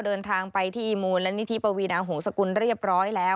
เดินทางไปที่มูลนิธิปวีนาหงษกุลเรียบร้อยแล้ว